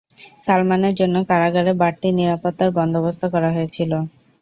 সালমানের জন্য কারাগারে বাড়তি নিরাপত্তার বন্দোবস্ত করা হয়েছিল।